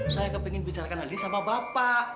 saya kepingin bicarakan hal ini sama bapak